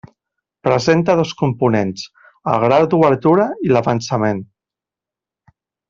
Presenta dos components: el grau d'obertura i l'avançament.